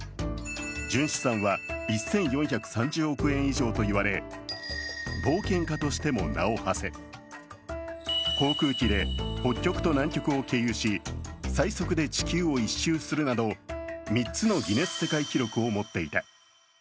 純資産は１４３０億円以上といわれ、冒険家としても名をはせ、航空機で北極と南極を経由し最速で地球を１周するなど３つのギネス世界記録を持っていた。